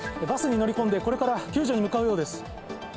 バスに乗り込んでこれから救助に向かうようです。